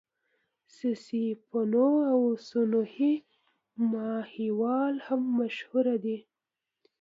سسي پنو او سوهني ماهيوال هم مشهور دي.